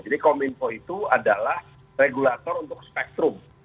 jadi kominfo itu adalah regulator untuk spektrum